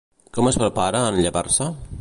Com es va preparar en llevar-se?